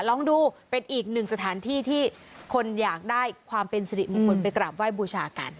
ลองดูเป็นอีกหนึ่งสถานที่ที่คนอยากได้ความเป็นสิริมงคลไปกราบไหว้บูชากัน